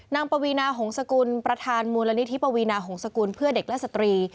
ปวีนาหงษกุลประธานมูลนิธิปวีนาหงษกุลเพื่อเด็กและสตรี